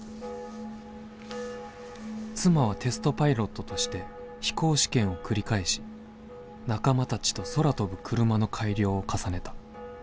「妻はテストパイロットとして飛行試験を繰り返し仲間たちと空飛ぶクルマの改良を重ねた。